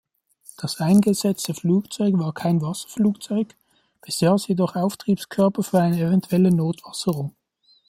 Das eingesetzte Flugzeug war kein Wasserflugzeug, besaß jedoch Auftriebskörper für eine eventuelle Notwasserung.